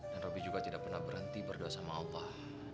dan robi juga tidak pernah berhenti berdoa sama allah